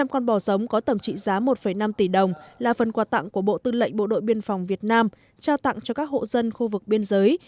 năm con bò giống có tầm trị giá một năm tỷ đồng là phần quà tặng của bộ tư lệnh bộ đội biên phòng việt nam trao tặng cho các hộ dân khu vực biên giới